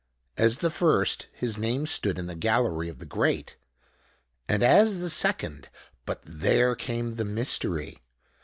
As the first, his name stood in the gallery of the great, and as the second but there came the mystery!